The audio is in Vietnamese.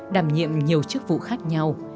đàm nhiệm nhiều chức vụ khác nhau